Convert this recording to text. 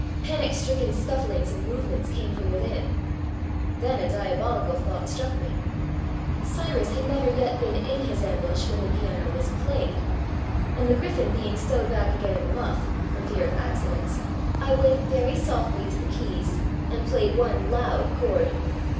Panic stricken scufflings and movements came from within. ... Then a diabolical thought struck me : Cyrus had never yet been in his ambush when the piano was played, and the griffon being stowed back again in 260 There Arose a King the muff, for fear of accidents, I went very softly to the keys and played one loud chord.